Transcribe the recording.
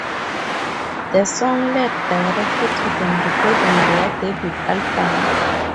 The song led directly to them recording their debut album.